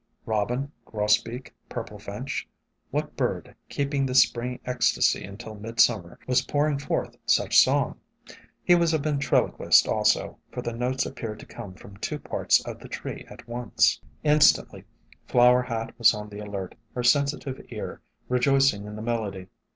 Robin, grosbeak, purple finch? What bird, keeping the spring ecstacy until midsummer, was pouring forth such song? He was a ventriloquist SOME HUMBLE ORCHIDS 147 also, for the notes appeared to come from two parts of the tree at once. Instantly Flower Hat was on the alert, her sensitive ear rejoicing in the melody.